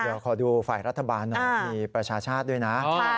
เดี๋ยวขอดูฝ่ายรัฐบาลหน่อยมีประชาชาติด้วยนะ